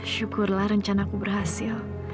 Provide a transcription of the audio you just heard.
syukurlah rencanaku berhasil